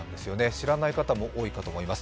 知らない方も多いかと思います。